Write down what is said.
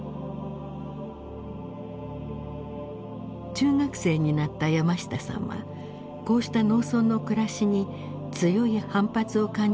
中学生になった山下さんはこうした農村の暮らしに強い反発を感じるようになります。